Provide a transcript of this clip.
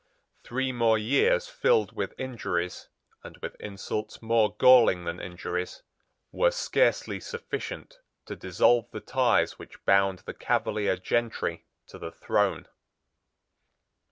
Three more years filled with injuries, and with insults more galling than injuries, were scarcely sufficient to dissolve the ties which bound the Cavalier gentry to the throne.